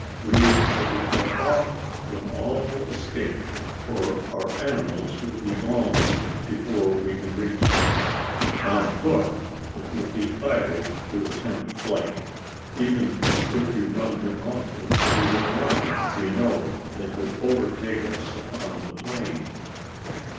We shall be cut off from all escape: for our animals will be gone before we can reach them. On foot, it will be idle to attempt flight. Even could we run the gauntlet through their line, we know they could overtake us upon the plain!